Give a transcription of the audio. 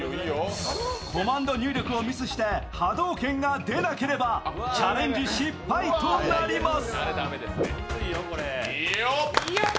コマンド入力をミスして波動拳が出なければチャレンジ失敗となります。